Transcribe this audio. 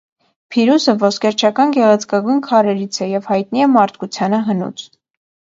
Փիրուզը ոսկերչական գեղեցկագույն քարերից է և հայտնի է մարդկությանը հնուց։